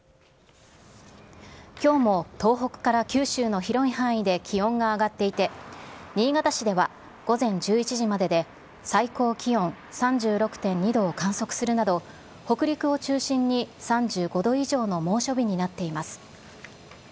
きょうも東北から九州の広い範囲で気温が上がっていて、新潟市では午前１１時までで、最高気温３６．２度を観測するなど、北陸を中心に３５度以上の猛暑日になっています。